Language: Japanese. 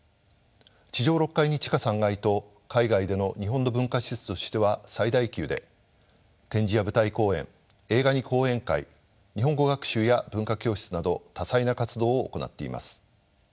地上６階に地下３階と海外での日本の文化施設としては最大級で展示や舞台公演映画に講演会日本語学習や文化教室など多彩な活動を行っています。